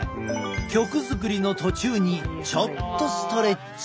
曲作りの途中にちょっとストレッチ。